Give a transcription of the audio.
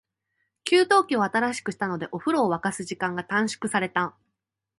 給湯器を新しくしたので、お風呂を沸かす時間が短縮された。